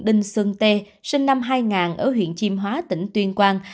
đinh xuân t sinh năm hai nghìn ở huyện chim hóa tỉnh tuyên quang